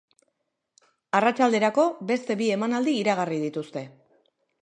Arratsalderako, beste bi emanaldi iragarri dituzte.